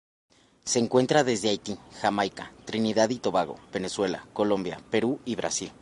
Se encuentra desde Haití, Jamaica, Trinidad y Tobago, Venezuela, Colombia, Perú y Brasil.